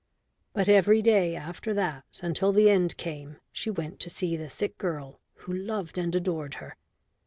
But every day after that until the end came she went to see the sick girl who loved and adored her.